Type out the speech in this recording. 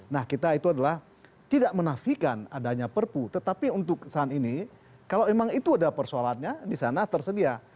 nah kita itu adalah tidak menafikan adanya perpu tetapi untuk saat ini kalau memang itu ada persoalannya di sana tersedia